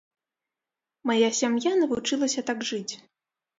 Мая сям'я навучылася так жыць.